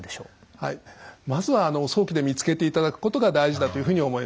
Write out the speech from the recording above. はいまずは早期で見つけていただくことが大事だというふうに思います。